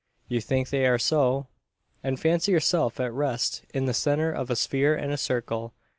You think they are so; and fancy yourself at rest in the centre of a sphere and a circle.